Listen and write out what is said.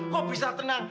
kok bisa tenang